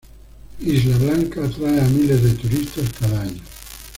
Isla Blanca atrae a miles de turistas cada año.